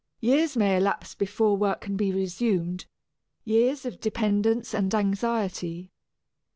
Years may elapse before work can be resumed years of dependence and anxiety.